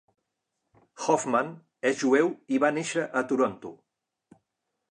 Hoffman és jueu i va néixer a Toronto.